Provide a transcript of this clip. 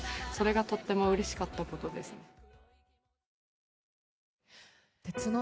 それがとってもうれしかったことですね。